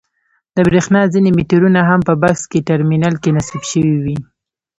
د برېښنا ځینې مېټرونه هم په بکس ټرمینل کې نصب شوي وي.